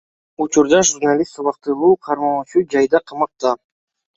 Учурда журналист убактылуу кармоочу жайда камакта.